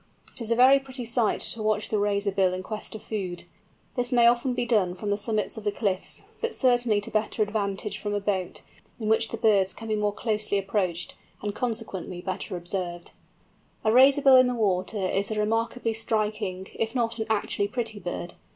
It is a very pretty sight to watch the Razorbill in quest of food. This may often be done from the summits of the cliffs, but certainly to better advantage from a boat, in which the birds can be more closely approached, and consequently better observed. A Razorbill in the water is a remarkably striking, if not an actually pretty bird.